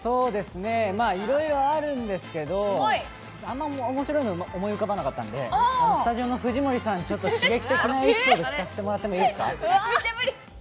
いろいろあるんですけど、あんまり面白いのか思い浮かばなかったので、スタジオの藤森さん、ちょっと刺激的なエピソード聞かせてもらっていいですか？